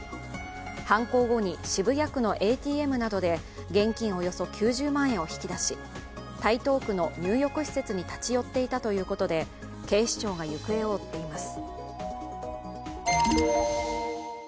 犯行後に渋谷区のＡＴＭなどで現金およそ９０万円を引き出し台東区の入浴施設に立ち寄っていたということで警視庁が行方を追っています。